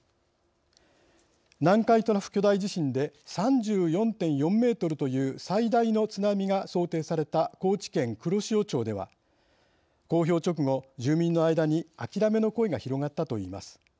南海トラフ巨大地震で３４．４メートルという最大の津波が想定された高知県黒潮町では公表直後、住民の間にあきらめの声が広がったといいます。